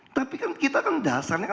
tapi kan kita kan dasarnya kan